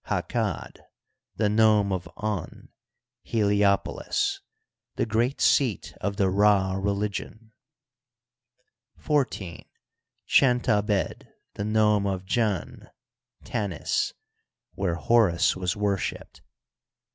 Ha kad, the nome of On {Heh'opolts), the great seat of the Rd religion. XIV. Chentabed, the nome of Tjan ( Tants), where Horus was worshiped.